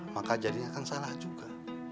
maka jadinya akan salah juga